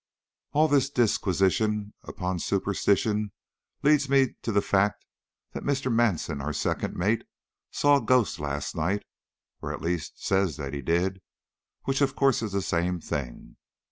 All this disquisition upon superstition leads me up to the fact that Mr. Manson, our second mate, saw a ghost last night or, at least, says that he did, which of course is the same thing.